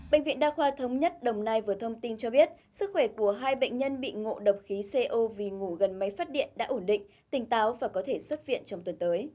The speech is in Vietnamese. bệnh viện đa khoa thống nhất đồng nai vừa thông tin cho biết sức khỏe của hai bệnh nhân bị ngộ độc khí co vì ngủ gần máy phát điện đã ổn định tỉnh táo và có thể xuất viện trong tuần tới